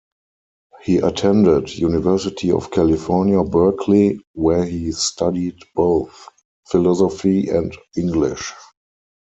He attended University of California, Berkeley where he studied both philosophy and English.